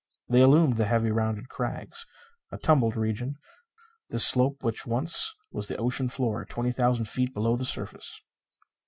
They illumined the heavy rounded crags. A tumbled region, this slope which once was the ocean floor twenty thousand feet below the surface.